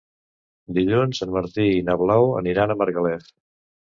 Dilluns en Martí i na Blau aniran a Margalef.